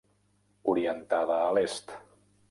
Orientada a l'Est.